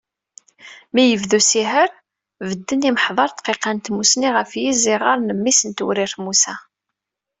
Mi yebda usiher, bedden yimeḥḍar ddqiqa n tsusmi ɣef yiẓiɣer n mmi-s n Tewrirt Musa.